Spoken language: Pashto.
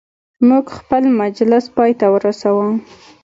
موږ خپل مجلس پایته ورساوه.